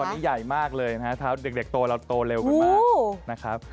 คนนี้ใหญ่มากเลยนะฮะเท้าเด็กโตแล้วโตเร็วขึ้นมา